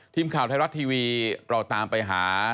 ทีมข่าวไทยรัฐทีวีเราตามไปหา